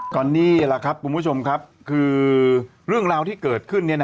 ก็นี่แหละครับคุณผู้ชมครับคือเรื่องราวที่เกิดขึ้น